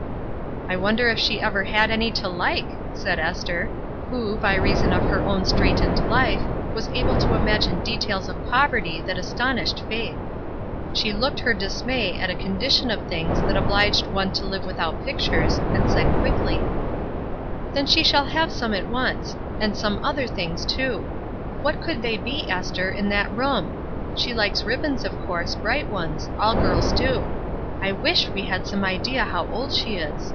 "I wonder if she ever had any to like?" said Esther, who, by reason of her o^n straitened life, was able to imagine details of poverty that astonished Faith. She looked her dismay at a 180 190 ESTER RIED'S NAMESAKE condition of things that obliged one to live with out pictures, and said quickly: —" Then she shall have some at once ; and some other things, too. What could they be, Esther, in that room? She likes ribbons, of course, bright ones; all girls do. I wish we had some idea how old she is!